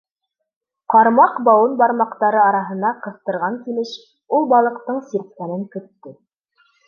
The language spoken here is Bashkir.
Ҡармаҡ бауын бармаҡтары араһына ҡыҫтырған килеш, ул балыҡтың сирткәнен көттө.